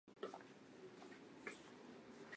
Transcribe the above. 站区位于高苑科技大学大门口处。